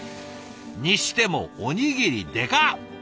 にしてもおにぎりデカッ！